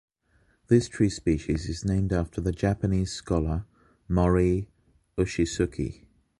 This tree species is named after the Japanese scholar Mori Uchisuke.